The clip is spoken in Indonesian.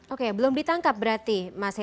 oke belum ditangkap berarti mas hen